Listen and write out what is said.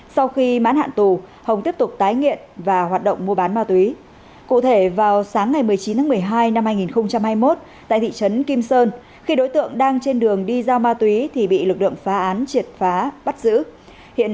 xin chào các bạn